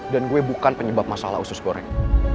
dan gue bukan penyebab masalah usus goreng